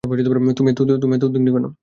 তুমি এতো উদ্বিগ্ন কেন?